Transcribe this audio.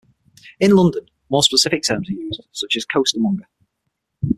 In London more specific terms were used, such as costermonger.